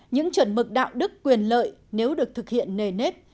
những chuẩn mực đạo đức quyền lợi nếu được thực hiện nề nếp